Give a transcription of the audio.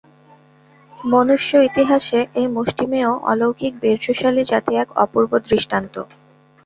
মনুষ্য-ইতিহাসে এই মুষ্টিমেয় অলৌকিক বীর্যশালী জাতি এক অপূর্ব দৃষ্টান্ত।